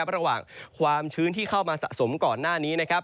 ระหว่างความชื้นที่เข้ามาสะสมก่อนหน้านี้นะครับ